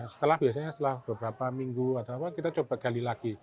setelah biasanya setelah beberapa minggu atau apa kita coba gali lagi